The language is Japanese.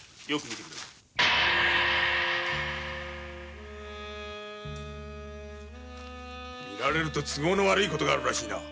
見られると都合の悪い事があるらしいな。